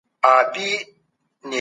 تاسي په خپلو کارونو کي دقت کوئ.